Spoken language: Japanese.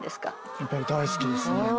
やっぱり大好きですね。